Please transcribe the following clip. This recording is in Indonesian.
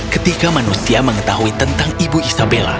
ketika manusia mengetahui tentang ibu isabella